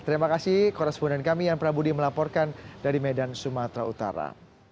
terima kasih koresponden kami yang prabudi melaporkan dari medan sumatera utara